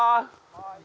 はい。